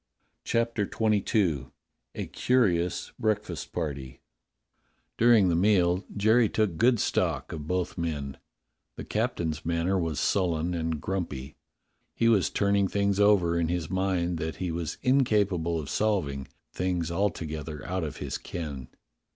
CHAPTER XXII A CURIOUS BREAKFAST PARTY DURING the meal Jerry took good stock of both men. The captain's manner was sullen and grumpy. He was turning things over in his mind that he was incapable of solving — things alto gether out of his ken.